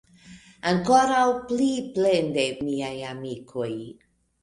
Ankoraŭ pli plende, miaj amikoj!